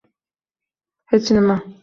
Hech nima.